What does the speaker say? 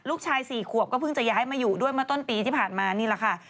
ลูกชาย๔ขวบก็เพิ่งจะย้ายมาอยู่ด้วยเมื่อต้นปีที่ผ่านมานี่แหละค่ะ